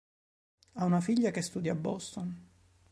Ha una figlia che studia a Boston.